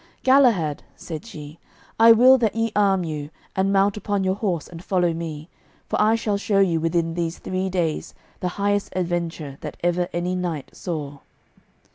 "Galahad," said she, "I will that ye arm you, and mount upon your horse and follow me, for I shall show you within these three days the highest adventure that ever any knight saw."